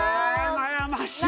悩ましいよ